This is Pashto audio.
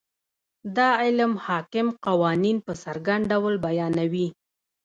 دا علم حاکم قوانین په څرګند ډول بیانوي.